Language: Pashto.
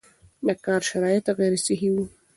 د کار شرایط غیر صحي وو